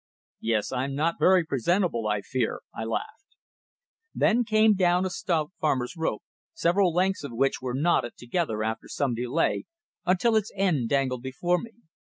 "Yes; I'm not very presentable, I fear," I laughed. Then down came a stout farmer's rope, several lengths of which were knotted together after some delay, until its end dangled before me.